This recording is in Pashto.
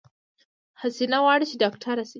حسينه غواړی چې ډاکټره شی